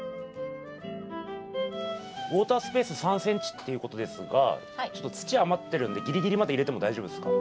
ウォータースペース３ｃｍっていうことですがちょっと土余ってるんでギリギリまで入れても大丈夫ですか？